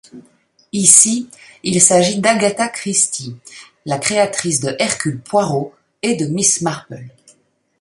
Ici, il s'agit d'Agatha Christie, la créatrice de Hercule Poirot et de Miss Marple.